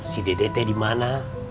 si dede teh dimana